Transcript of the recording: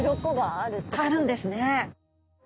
あるんですね。